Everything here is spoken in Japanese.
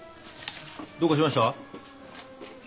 どうかしました？